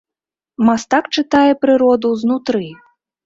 Мастак чытае прыроду знутры.